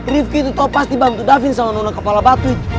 rifki itu tau pasti bantu davin sama nona kepala batu itu